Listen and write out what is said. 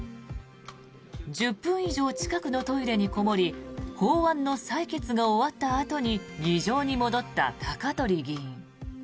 １０分以上近くのトイレにこもり法案の採決が終わったあとに議場に戻った高鳥議員。